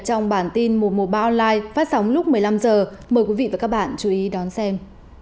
trong bản tin mùa mùa ba online phát sóng lúc một mươi năm h mời quý vị và các bạn chú ý đón xem